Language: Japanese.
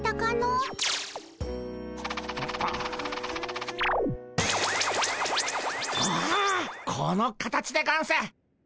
おこの形でゴンス！